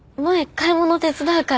買い物手伝うから。